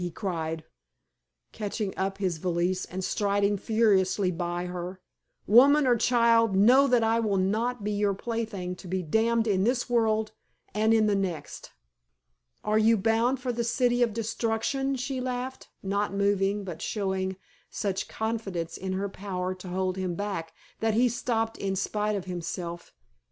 he cried, catching up his valise and striding furiously by her. "Woman or child, know that I will not be your plaything to be damned in this world and in the next." "Are you bound for the city of destruction?" she laughed, not moving, but showing such confidence in her power to hold him back that he stopped in spite of himself.